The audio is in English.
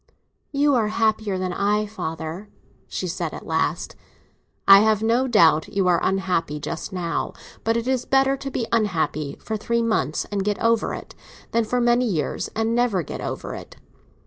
"You are happier than I, father," she said, at last. "I have no doubt you are unhappy just now. But it is better to be unhappy for three months and get over it, than for many years and never get over it."